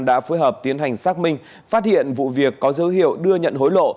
đã phối hợp tiến hành xác minh phát hiện vụ việc có dấu hiệu đưa nhận hối lộ